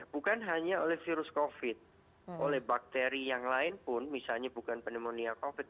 bukan hanya oleh virus covid oleh bakteri yang lain pun misalnya bukan pneumonia covid